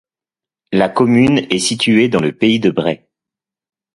La commune est située dans le pays de Bray.